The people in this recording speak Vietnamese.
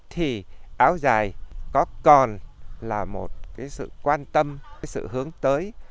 thì áo dài có còn là một sự quan tâm sự hướng tới